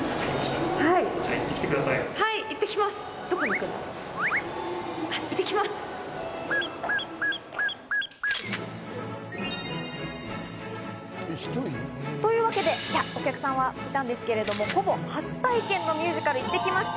そして。というわけで、お客さんはいたんですけど、ほぼ初体験のミュージカル、行ってきました。